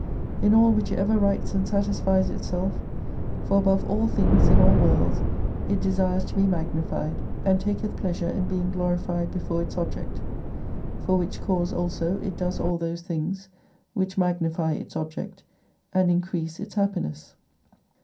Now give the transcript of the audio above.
In all which it ever rights and satisfies itself ; for above all things in all worlds it desires to be magnified, and taketh pleasure in being glorified before its object. For which cause also it does all those things, which magnify its object and increase its happiness.